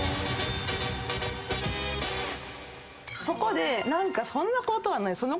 そこで何かそんなことはない。